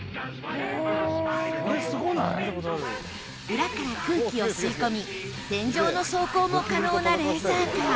裏から空気を吸い込み天井の走行も可能なレーザーカー。